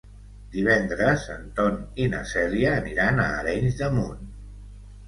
Divendres en Ton i na Cèlia aniran a Arenys de Munt.